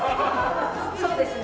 そうですね。